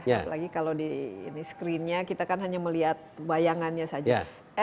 apalagi kalau di screennya kita kan hanya melihat bayangannya saja